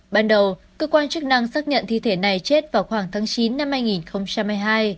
ban đầu cơ quan chức năng xác nhận thi thể này chết vào khoảng tháng chín năm hai nghìn hai mươi hai